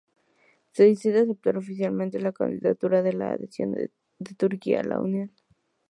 Se decide aceptar oficialmente la candidatura a la adhesión de Turquía a la Unión.